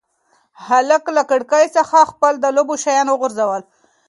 هلک له کړکۍ څخه خپل د لوبو شیان وغورځول.